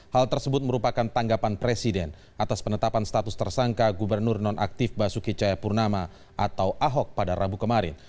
hal tersebut merupakan tanggapan presiden atas penetapan status tersangka gubernur nonaktif basuki cayapurnama atau ahok pada rabu kemarin